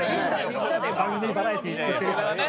みんなで番組バラエティー作ってるからさ。